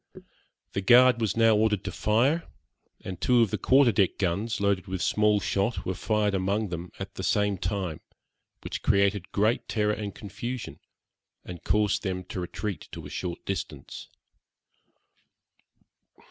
The guard was now ordered to fire, and two of the quarter deck guns, loaded with small shot, were fired among them at the same time, which created great terror and confusion, and caused them to retreat to a short distance.